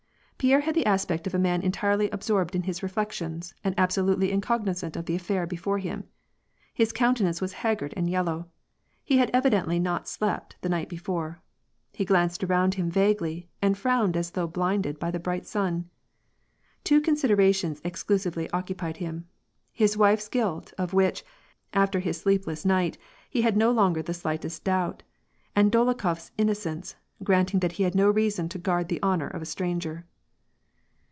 Pierre had the aspect of a man entirely absorbed in his reflections, and absolutely incognizant of the affair before him. His countenance was haggard and yellow. He had evidently not slept the night before. He glanced around him vaguely, and frowned as though blinded by the bright sun. Two considerations exclu sively occupied him : his wife's guilt of which, after his sleep less night, he had no longer the slightest doubt, and Dolokhof's innocence, granting that he had no reason to guard the honor of a stranger.